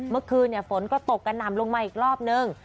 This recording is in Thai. เมื่อคืนฝนก็ตกกระหน่ำลงมาอีกรอบนึง